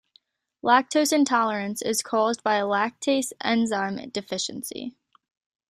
Lactose intolerance is caused by a lactase enzyme deficiency.